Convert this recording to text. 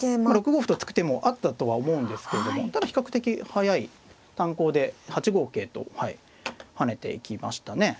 ６五歩と突く手もあったとは思うんですけれどもただ比較的速い短考で８五桂と跳ねていきましたね。